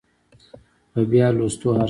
په بيا لوستو ارزي